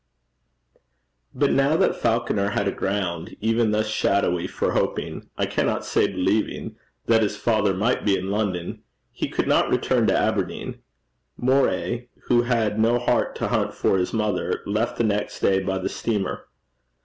But now that Falconer had a ground, even thus shadowy, for hoping I cannot say believing that his father might be in London, he could not return to Aberdeen. Moray, who had no heart to hunt for his mother, left the next day by the steamer.